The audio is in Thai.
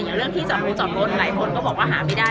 เรื่องที่จอดรถจอดรถหลายคนก็บอกว่าหาไม่ได้